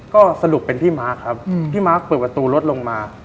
ก็สรุปเป็นพี่มาร์คครับพี่มาร์คเปิดประตูรถลงมา